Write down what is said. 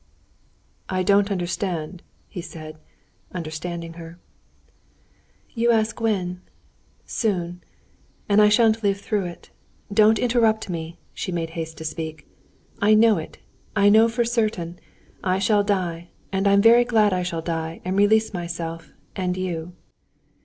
"I don't understand," he said, understanding her. "You asked when? Soon. And I shan't live through it. Don't interrupt me!" and she made haste to speak. "I know it; I know for certain. I shall die; and I'm very glad I shall die, and release myself and you."